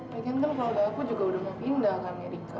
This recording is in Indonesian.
ya kan kan kalau gak aku juga udah mau pindah ke amerika